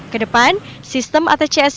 kedepan sistem atcs sempat